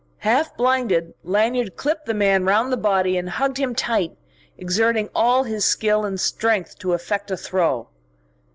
Half blinded, Lanyard clipped the man round the body and hugged him tight, exerting all his skill and strength to effect a throw.